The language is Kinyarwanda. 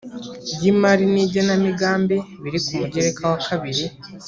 y imari n igenamigambi biri ku mugereka wakabiri